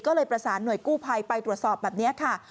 ก็เลยประสานหน่วยกู้ภัยไปตรวจสอบแบบนี้ค่ะ